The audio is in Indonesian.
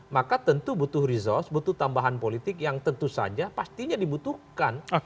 maka tentu butuh resource butuh tambahan politik yang tentu saja pastinya dibutuhkan